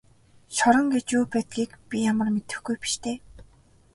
Шорон гэж юу байдгийг би ямар мэдэхгүй биш дээ.